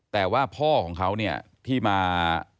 แต่ว่าพ่อของเขาเนี่ยที่มา